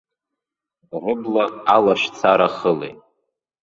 Рыбла алашьцара хылеит.